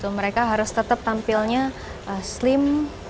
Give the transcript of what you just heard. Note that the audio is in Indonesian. mereka harus tetap tampilnya slim